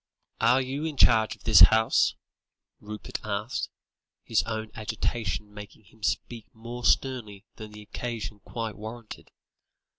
"Are you in charge of this house?" Rupert asked, his own agitation making him speak more sternly than the occasion quite warranted.